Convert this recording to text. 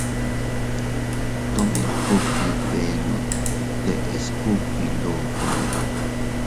Tomen kugbi dbenonne deʼes kugbi ndokonne.